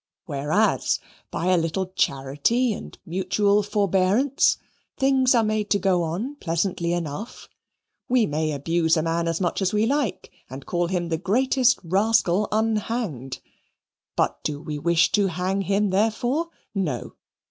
Whereas, by a little charity and mutual forbearance, things are made to go on pleasantly enough: we may abuse a man as much as we like, and call him the greatest rascal unhanged but do we wish to hang him therefore? No.